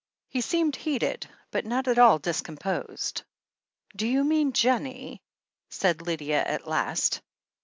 He seemed heated, but not at all discomposed. "Do you mean — ^Jennie?" said Lydia at last.